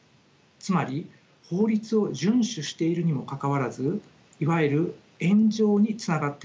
つまり法律を順守しているにもかかわらずいわゆる炎上につながってしまうようなケースです。